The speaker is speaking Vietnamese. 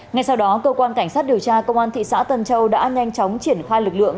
ngay sau đó cơ quan cảnh sát điều tra công an thị xã tân châu đã nhanh chóng triển khai lực lượng